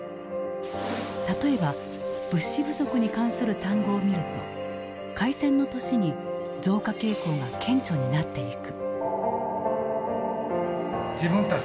例えば物資不足に関する単語を見ると開戦の年に増加傾向が顕著になっていく。